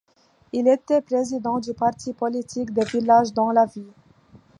Il était président du parti politique des Villages dans la Ville.